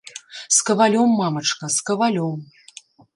З кавалём, мамачка, з кавалём.